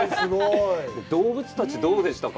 動物たち、どうでしたか？